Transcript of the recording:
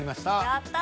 やった。